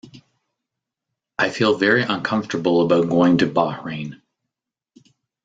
I feel very uncomfortable about going to Bahrain.